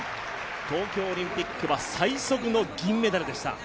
東京オリンピックは最速の銀メダルでした。